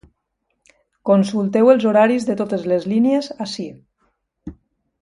Consulteu els horaris de totes les línies ací.